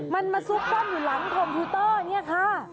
มันมาซุกซ่อนอยู่หลังคอมพิวเตอร์เนี่ยค่ะ